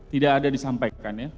tidak ada disampaikan ya